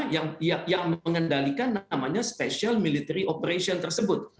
yang mengendalikan spesial operasi militer tersebut